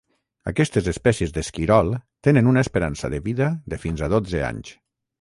Aquestes espècies d'esquirol tenen una esperança de vida de fins a dotze anys.